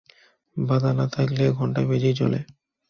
বাধা না থাকলে ঘণ্টা বেজেই চলে।